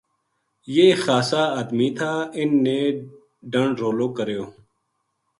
یہ خاصا ادمی تھا اِنھ نے ڈنڈ رولو کریو